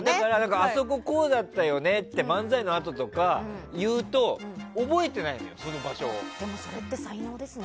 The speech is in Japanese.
あそこ、こうだったよねって漫才のあととかに言うとでもそれって才能ですよね。